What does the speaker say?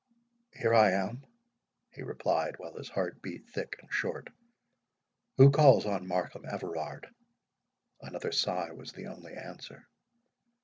"Here I am," he replied, while his heart beat thick and short. "Who calls on Markham Everard?" Another sigh was the only answer.